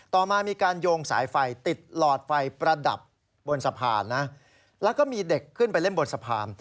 ต่อมามีการโยงสายไฟติดหลอดไฟประดับบนสะพานนะแล้วก็มีเด็กขึ้นไปเล่นบนสะพาน